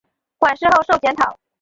馆试后授检讨。